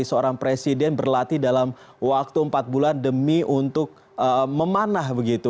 jadi seorang presiden berlatih dalam waktu empat bulan demi untuk memanah begitu